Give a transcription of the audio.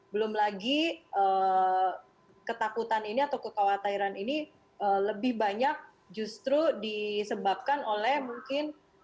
belum lagi ketakutan ini atau kekhawatiran ini lebih banyak justru disebabkan oleh mungkin